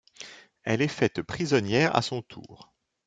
Elle est faite prisonnière à son tour.